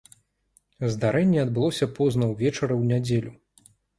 Здарэнне адбылося позна ўвечары ў нядзелю.